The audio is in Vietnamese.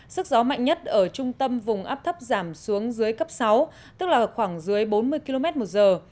sức gió mạnh nhất ở trung tâm vùng áp thấp giảm xuống dưới cấp sáu tức là ở khoảng dưới bốn mươi km một giờ